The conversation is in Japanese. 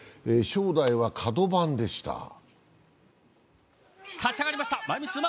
正代はカド番でした。